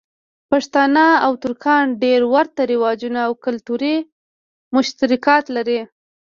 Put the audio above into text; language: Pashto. پښتانه او ترکان ډېر ورته رواجونه او کلتوری مشترکات لری.